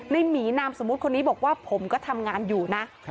หมีนามสมมุติคนนี้บอกว่าผมก็ทำงานอยู่นะ